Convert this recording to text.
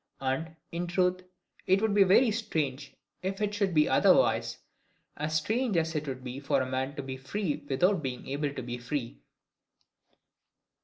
And, in truth, it would be very strange if it should be otherwise; as strange as it would be for a man to be free without being able to be free.